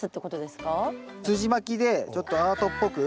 すじまきでちょっとアートっぽく。